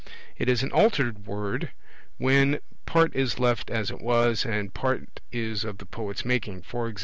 It is an altered word, when part is left as it was and part is of the poet's making; e.g.